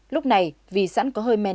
lúc này vì sẵn có hơi men trong cuộc chiến